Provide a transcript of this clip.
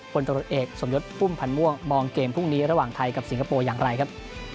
ตรวจเอกสมยศพุ่มพันธ์ม่วงมองเกมพรุ่งนี้ระหว่างไทยกับสิงคโปร์อย่างไรครับ